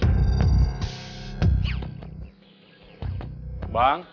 kita dulu lari ke platform isolasi